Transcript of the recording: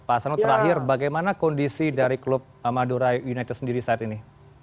pak asanul terakhir bagaimana kondisi dari klub madura united sendiri saat ini